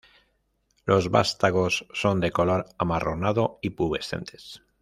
Los vástagos son de color amarronado y pubescentes.